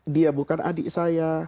dia bukan adik saya